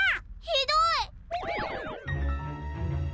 ひどい。